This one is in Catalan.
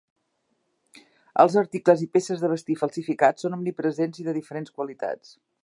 Els articles i peces de vestir falsificats són omnipresents i de diferents qualitats.